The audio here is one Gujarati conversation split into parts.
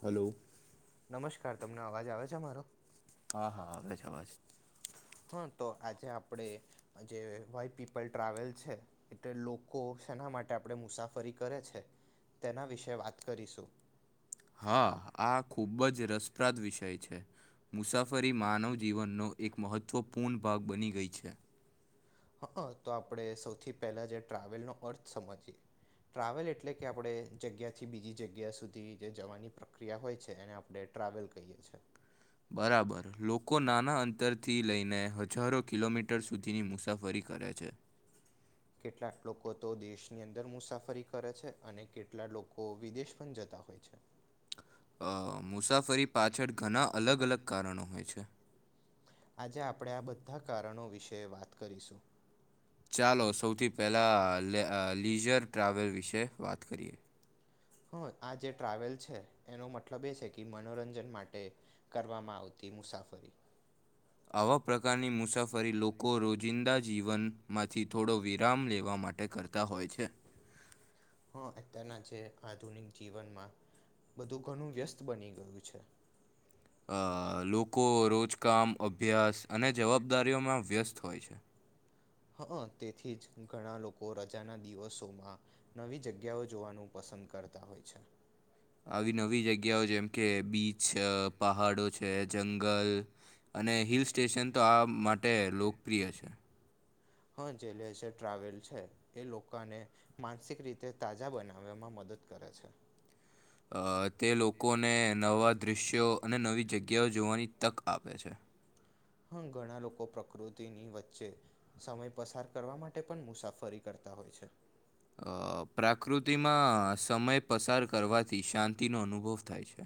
હલો. નમસ્કાર તમને અવાજ આવે છેમારો? હા હા આવે છે અવાજ. હા તો આજે આપડે જે વા પીપલ ટ્રાવેલ છે એટલે લોકો ના માટે આપણે મુસાફરી કરે છે તેના વિશે વાત કરીશું. હા આ ખુબ જ રસપ્રદ વિષય છે. મુસાફરી માનવ જીવનનો એક મહત્વપૂર્ણ ભાગ બની ગઈ છે. હા અ તો આપડે સૌથી પહેલા જે ટ્રાવેલ નો અર્થ સમજીએ. ટ્રાવેલ એટલે કે આપડે જગ્યાથી બીજી જગ્યા સુધી જે જવાની પ્રક્રિયા હોય છે એને આપડે ટ્રાવેલ કહીએ છે. બરાબર લોકો નાના અંતરથી લઈને હજારો કિલોમીટર સુધીની મુસાફરી કરે છે. [inaudible] કેટલાક લોકો તો દેશની અંદર મુસાફરી કરે છે અને કેટલા લોકો વિદેશ પણ જતા હોય છે. મુસાફરી પાછળ ઘણા અલગ અલગ કારણો હોય છે. આજે આપણે આ બધા કારણો વિશે વાત કરીશું. ચાલો સૌથી પહેલા અ લે અ લીઝર ટ્રાવેલ વિશે વાત કરીએ. હ આ જે ટ્રાવેલ છે એનો મતલબ એ છે કે મનોરંજન માટે કરવામાં આવતી તી મુસાફરી. આવા પ્રકારની મુસાફરી લોકો રોજિંદા જીવનમાંથી થોડો વિરામ લેવા માટે કર તા હોય છે. [inaudible] અત્યારના જે આધુનિક જીવનમાં બધું ઘણું વ્યસ્ત બની ગયું છે. અ લોકો રોજકામ અભ્યાસ અને જવાબદારીઓમાં વ્યસ્ત હોય છે. હ અ તેથી જ ઘણા લોકો રજાના દિવસોમાં નવી જગ્યાઓ જોવાનું પસંદ કરતા હોય છે. આવી નવી જગ્યાઓ જેમ કે બીચ છે પહાડો છે જંગલ અને હિલ સ્ટેશન તો આ માટે લોકપ્રિય છે. હા જે લેઝર ટ્રાવેલ છે એ લોકાને માનસિક રીતે તાજા બનાવમાં મદદ દ કરે છે. અ તે લોકોને નવા દૃશ્યો અને નવી જગ્યાઓ જોવાની તક આપે છે. હમ ઘણા લોકો પ્રકૃતિની વચ્ચે સમય પસાર કરવા માટે પણ મુસાફરી કર તા હોય છે. અ પ્રાકૃતિમાં સમય પસાર કરવાથી શાંતિનો અનુભવ થાય છે.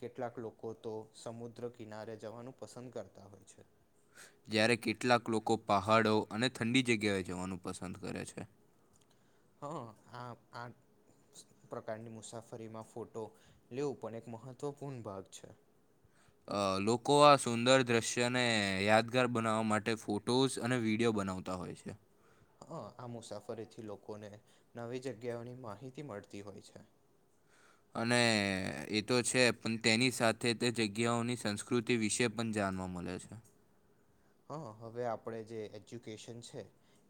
કેટલાક લોકો તો સમુદ્ર કિનારે જવાનું પસંદ કરતા હોય છે. જ્યારે કેટલાક લોકો પહાડો અને ઠંડી જગ્યાએ જવાનું પસંદ કરે છે. હ આ આ પ્રકારની મુસાફરીમાં ફોટો લેવું પણ એક મહત્વપૂર્ણ ભાગ છે. અ લોકો આ સુંદર દ્રશ્યને યાદગાર બનાવવા માટે ફોટોઝ અને વિડીયો બ નાવતા હોય છે. હ આ મુસાફરીથી લોકોને નવી જગ્યાઓની માહિતી મળતી હોય છે. [inaudible] અને એ તો છે પણ તેની સાથે તે જગ્યાઓની સંસ્કૃતિ વિશે પણ જાણ વા મળે છે. હા હવે આપણે જે એજ્યુકેશન છે,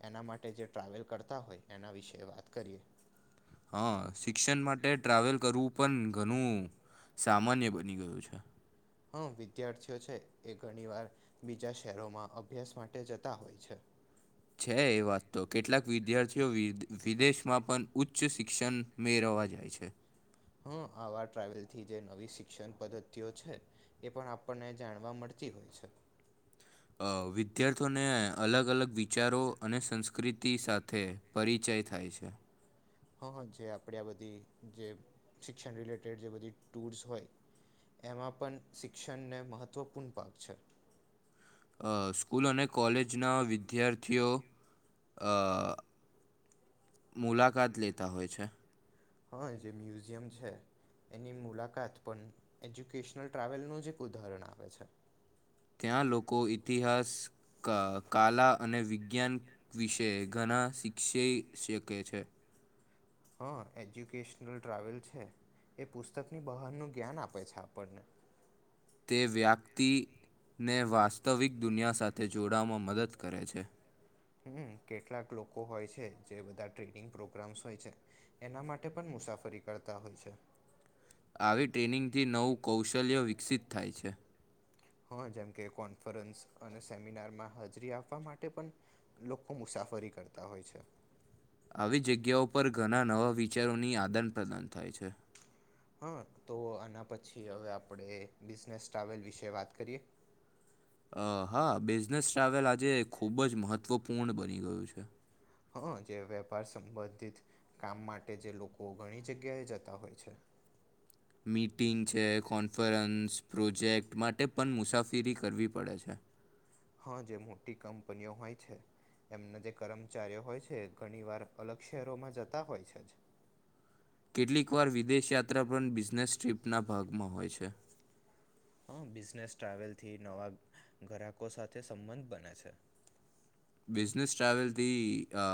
એના માટે જે ટ્રાવેલ કરતા હોય એના વિશે એ વાત કરીએ. હા શિક્ષણ માટે ટ્રાવેલ કરવું પણ ઘણું સામાન્ય બની ગયું છે. હમ વિદ્યાર્થીઓ છે એ ઘણી વાર બીજા શહેરોમાં અભ્યાસ માટે જતા હોય છે. છે એ વાત તો કેટલાક વિદ્યાર્થીઓ વી વિદેશમાં પણ ઉચ્ચ શિક્ષણ મેળવ વા જાય છે. હા આવા ટ્રાવેલથી જે નવી શિક્ષણ પદ્ધતિઓ છે, એ પણ આપણને જાણવા મળ તી હોય છે. અ વિદ્યાર્થીઓને અલગ અલગ વિચારો અને સંસ્કૃતિ સાથે પરિચય ય થાય છે. હા જે આપણે આ બધી જે શિક્ષણ રિલેટેડ જે બધી ટૂલ્સ હોય એમાં પણ શિક્ષણને મહત્વપૂર્ણ ભાગ છે. સ્કૂલ અને કોલેજના વિદ્યાર્થીઓ અ મુલાકાત લેતા હોય છે. હા જે મ્યુઝિયમ છે. એની મુલાકાત પણ એજ્યુકેશનલ ટ્રાવેલ નુ જ એક ઉદાહરણ આપે છે. ત્યાં લોકો ઇતિહાસ કાલા અને વિજ્ઞાન વિશે ઘણા ના શિક્ષી શકે છે. હા એજ્યુકેશનલ ટ્રાવેલ છે. એ પુસ્તકની બહાર નું જ્ઞાન આપે છે આપણને એ વ્યક્તિને વાસ્તવિક દુનિયા સાથે જોડવામાં મદદ કરે છે. હમ્મ કેટલાક લોકો હોય છે જે બધા ટનિંગ પ્રોગ્રામ્સ હોય છે એના માટે પણ મુસાફરી કરતા હોય છે. આવી ટ્રેનિંગથી નવું કૌશલ્ય વિકસિત થાય છે. હા જેમકે કોન્ફરન્સ અને સેમિનારમાં હાજરી આપવા માટે પણ લોકો મુસાફ મુસાફરી કરતા હોય છે. આવી જગ્યાઓ પર ઘણા નવા વિચારોની આદાન પ્ર્રદાન થાય છે. હા તો આના પછી હવે આપણે બિઝનેસ ટ્રાવેલ વિશે વાત કરીએ. અ હા બિઝનેસ ટ્રાવેલ આજે ખૂબ જ મહત્વપૂર્ણ બની ગયું છે. હા જે વેપાર સંબંધિત કામ માટે જે લોકો ઘણી જગ્યાએ જતા હોય છે. [inaudible] મીટિંગ છે કોન્ફરન્સ પ્રોજેક્ટ માટે પણ મુસાફિરી કરવી પડે છે. હા જે મોટી કંપનીઓ હોય છે. એમના જે કર્મચારીઓ હોય છે, ઘણી વાર અલગ શહેરોમાં જતા હોય છે જ. કેટલીક વાર વિદેશ યાત્રા પણ બિઝનેસ ટ્રીપના ભાગમાં હોય છે. હા બિઝનેસ ટ્રાવેલથી નવા ગ્રાહકો સાથે સંબંધ બને છે. બિઝનેસ ટ્રાવેલથી અ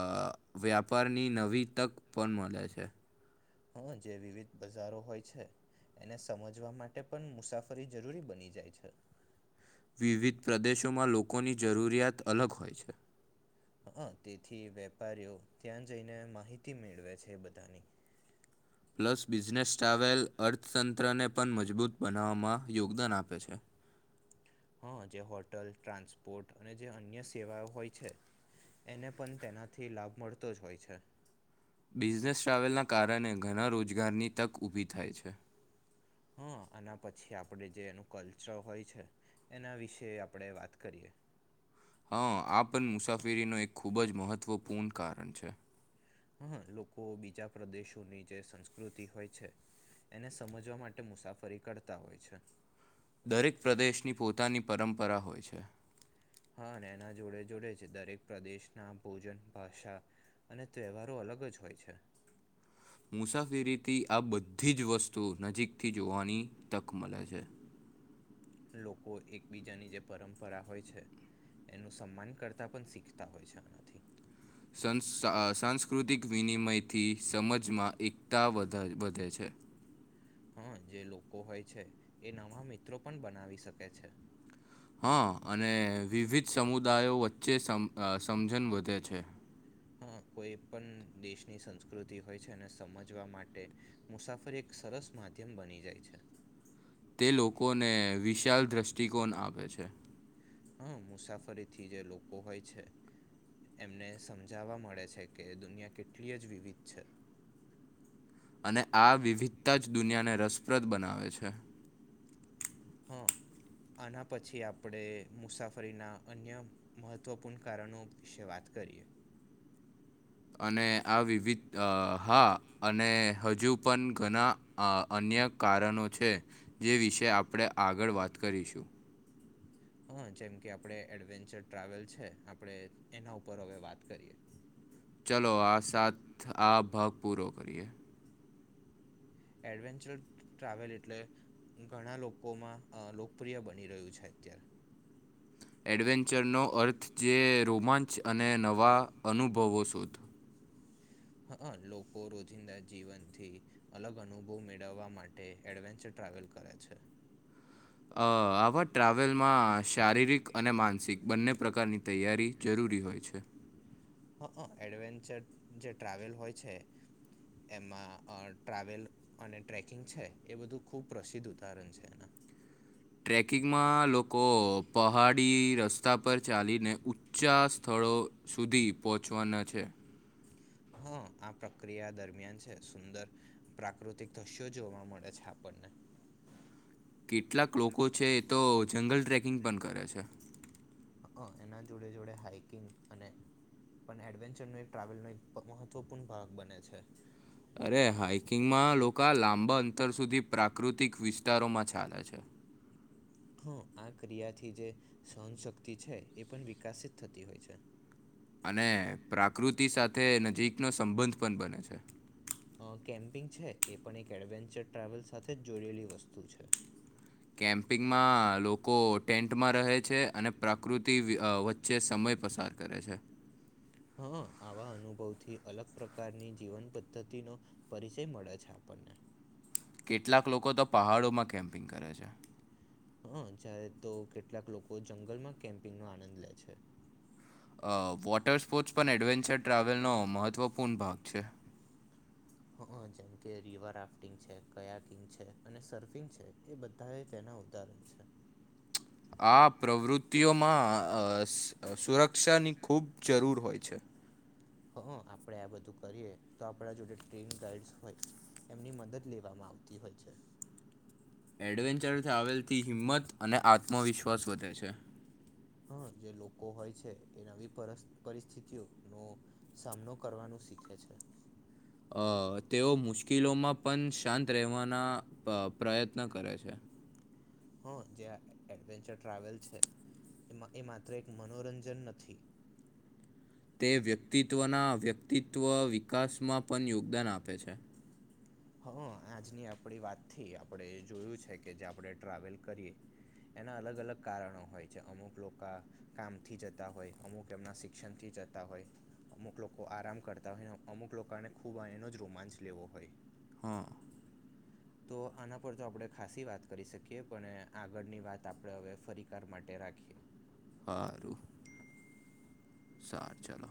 વ્યાપારની નવી તક પણ મલે છે. હા જે વિવિધ બજારો હોય છે. એને સમજવા માટે પણ મુસાફરી જરૂરી બની જાય છે. વિવિધ પ્રદેશોમાં લોકોની જરૂરિયાત અલગ હોય છે. હ તેથી વેપારીઓ ત્યાં જઈને માહિતી મેળવે છે બધાની. [inaudible] પ્લસ બિઝનેસ ટ્રાવેલ અર્થતંત્રને પણ મજબૂત બનાવવામાં યોગદાન આપે છે. હા જે હોટલ, ટ્રાન્સપોર્ટ અને જે અન્ય સેવાઓ હોય છે... એને પણ તેનાથી લાભ મળતો જ હોય છે. બિઝનેસ ટ્રાવેલના કારણે ઘણા રોજગારની તક ઉભી થાય છે. હા એના પછી આપડ જે એનું કલ્ચર હોય છે... એના વિશે આપણે વાત કરીએ. હા આ પણ મુસાફરીનું એક ખૂબ જ મહત્વપૂર્ણ કારણ છે. હા લોકો બીજા પ્રદેશોની જે સંસ્કૃતિ હોય છે... એને સમજવા માટે મુસાફરી કરતા હોય છે. દરેક પ્રદેશની પોતાની પરંપરા હોય છે. હા એના જોડે જોડે જ દરેક પ્રદેશના ભોજન, ભાષા... અને તહેવારો અલગ જ હોય છે. મુસાફિરીથી આ બધી જ વસ્તુઓ નજીકથી જોવાની તક મલે છે. [inaudible] લોકો એકબીજાની જે પરંપરા હોય છે... એનું સન્માન કરતા પણ શીખતા હોય છે આનાથી. સંસ સાંસ્કૃતિક વિનિમયથી સમજમાં એકતા વધ વધે છે. [inaudible] હા જે લોકો હોય છે એ નવા મિત્રો પણ બનાવી શકે છે. હા અને વિવિધ સમુદાયો વચ્ચે સમ સમજણ વધે છે. હા કોઈ પણ દેશની સંસ્કૃતિ હોય છે એને સમજવા માટે મુસાફરી એક... એક સરસ માધ્યમ બની જાય છે. તે લોકોને વિશાલ દ્રષ્ટિકોણ આપે છે. હમ્મ, મુસાફરી થી જે લોકો હોય છે એમને સમજાવવા મળે છે કે દુનિયા કેટલી જ વિવિધ છે. અને આ વિવિધતા જ દુનિયાને રસપ્રદ બનાવે છે. હા. આના પછી આપણે મુસાફરીના અન્ય મહત્વપૂર્ણ કારણો વિશે વાત કરીએ. અને આ વિવિધ હા અને હજુ પણ ઘણા અ અન્ ક્યાં કારણો છે જે વિશે આપણે આગળ વાત કરીશું હા જેમ કે આપણે એડવેન્ચર ટ્રાવેલ છે આપણે એના ઉપર હવે વાત કરીએ. હ ચાલો આ સાત આ ભગ પૂરો કરીએ. એડવેન્ચર ટ્રાવેલ એટલે ઘણા લોકોમાં લોકપ્રિય બની રહ્યું છે. અત્યારે એડવેન્ચરનો અર્થ જે રોમાંચ અને નવા અનુભવો શોધ. હક લોકો રોજિંદા જીવનથી અલગ અનુભવ મેળવવા માટે એડવેન્ચર ટ્રાવેલ કરે છે. અ આવા ટ્રાવેલમાં શારીરિક અને માનસિક બંને પ્રકારની તૈયારી જરૂરી પૂરી હોય છે. હઅ એડવેન્ચર જે ટ્રાવેલ હોય છે. એમાં અ ટ્રાવેલ અને ટ્રેકિંગ છે એ બધું ખુબ પ્રસિદ્ધ ઉદાહરણ છે એના. [inaudible] [unintelligible] ટ્રેકિંગમાં લોકો પહાડી રસ્તા પર ચાલીને ઊંચા સ્થળ સ્થળો સુધી પહોંચવાના છે. હા. આ પ્રક્રિયા દરમિયાન છે સુંદર પ્રાકૃતિક દ્રશ્યો જોવા મળે છે આપણને. હ કેટલાક લોકો છે એ તો જંગલ ટ્રેકિંગ પણ કરે છે. હ એના જોડે જોડે હાઈકિંગ અને પણ એડવેન્ચર નું એક ટ્રાવેલ ન એક મહત્વપૂર્ણ ભાગ બને છે. અરે હાઈકિંગમાં લોકો લાંબા અંતર સુધી પ્રાકૃતિક વિસ્તારોમાં ચાલે છે. [inaudible] હા આ ક્રિયાથી જે સહનશક્તિ છે એ પણ વિકસિત થતી હોય છે. અને પ્રાકૃતિ સાથે નજીકનો સંબંધ પણ બને છે. અ કેમ્પિંગ છે એ પણ એક એડવેન્ચર ટ્રાવેલ સાથે જ જોડેલી વસ્તુ છે. કેમ્પિંગમાં લોકો ટેન્ટમાં રહે છે અને પ્રકૃતિ વ વચ્ચે સમજ એ પસાર કરે છે. હા હા આ અનુભવથી અલગ પ્રકારની જીવન પદ્ધતિનો પરિચય મળે છે આપણને. કેટલાક લોકો તો પહાડોમાં કેમ્પિંગ કરે છે. હઅ જ્યારે તો કેટલાક લોકો જંગલમાં કેમ્પિંગ નો આનંદ લે છે. અ વોટર સ્પોર્ટ્સ પણ એડવેન્ચર ટ્રાવેલનો મહત્વપૂર્ણ ભાગ છે. જેમ કે રિવર રાફ્ટિંગ છે, કયાકિંગ છે અને સર્ફિંગ છે એ બધા એ તે વધારે છે. આ પ્રવૃત્તિઓમાં અ સુરક્ષાની ખૂબ જરૂર હોય છે. હ આપડે આ બધું કરીએ તો આપણા જોડે ટ્રેન ગાઈડસ હોય... એમની મદદ લેવામાં આવતી હોય છે. એડવેન્ચર ટ્રાવેલથી હિંમત અને આત્મવિશ્વાસ વધે છે. હા જે લોકો હોય છે એ નવી પર પરિસ્થિતિઓ નો સામનો કરવાનું... શીખે છે. અ તેઓ મુશ્કેલોમાં પણ શાંત રહેવાના પ પ્રયત્ન કરે છે. હ જે એડવેન્ચર ટ્રાવેલ છે. એમાં એ માત્ર એક મનોરંજન નથી. એ વ્યક્તિત્વના વ્યક્તિત્વ વિકાસમાં પણ યોગદાન આપે છે. હા આજની આપડી વાત થી આપણેે એ જોયું છે કે જે આપણે ટ્રાવેલ કરીએ... એના અલગ અલગ કારણો હોય છે, અમુક લોકા કામથી જતા હોય, અમુક એમના શિક્ષણથી... જતા હોય, અમુક લોકો આરામ કરતા હોય, ને અમુક લોકોને ખૂબ એનો જ રોમાંચ લેવો હોય. હા. તો આના પર તો આપણે ખાસી વાત કરી શકીએ, પણ આગળની વાત આપડે હવે ફરીકાર માટે... રાખીએ. આરું સાર ચાલો